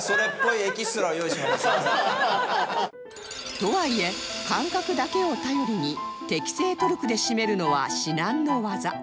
とはいえ感覚だけを頼りに適正トルクで締めるのは至難の業